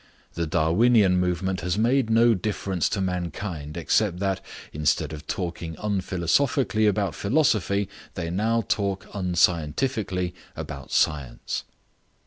The Darwinian movement has made no difference to mankind, except that, instead of talking unphilosophically about philosophy, they now talk unscientifically about science."